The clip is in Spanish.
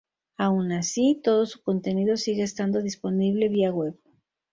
Aún así, todo su contenido sigue estando disponible vía web.